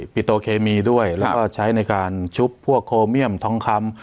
ปิโตเคมีด้วยแล้วก็ใช้ในการชุบพวกโคเมียมทองคำ